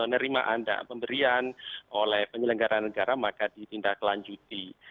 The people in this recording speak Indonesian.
nerima anda pemberian oleh penyelenggara negara maka ditindaklanjuti